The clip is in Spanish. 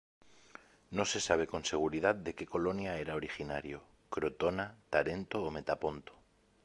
No se sabe con seguridad de que colonia era originario: Crotona, Tarento o Metaponto.